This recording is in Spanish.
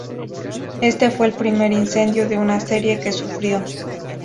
Este fue el primer incendio de una serie que sufrió.